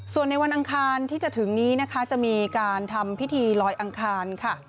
ส่วนในวันอังคารที่จะถึงนี้นะคะจะมีการทำพิธีลอยอังคารค่ะ